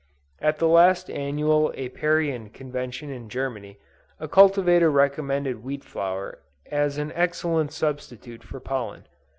At the last annual Apiarian Convention in Germany, a cultivator recommended wheat flour as an excellent substitute for pollen.